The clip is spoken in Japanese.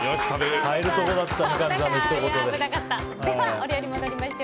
変えるところだった。